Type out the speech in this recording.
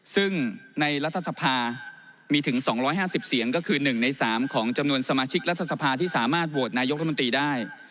ซึ่งในรัฐสภามีถึง๒๕๐เสียงก็คือ๑ใน๓ของจำนวนสมาชิกรัฐสภาที่สามารถโหวตนายกรัฐมนตรีได้